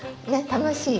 楽しい。